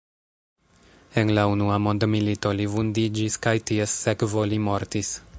En la unua mondmilito li vundiĝis kaj ties sekvo li mortis.